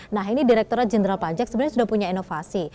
nah ini direkturat jenderal pajak sebenarnya sudah punya inovasi